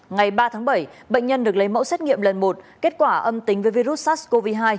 ngày ba tháng bảy bệnh nhân được lấy mẫu xét nghiệm lần một kết quả âm tính với virus sars cov hai